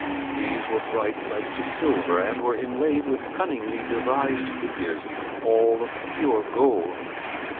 These were bright like to silver and were inlaid with cunningly devised figures, all of pure gold.